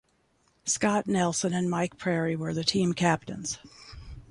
Scott Nelson and Mike Prairie were the team captains.